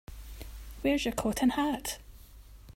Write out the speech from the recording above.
Where's your coat and hat?